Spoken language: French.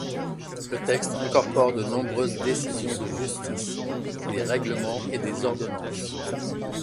Le texte incorpore de nombreuses décisions de justice, des règlements et des ordonnances.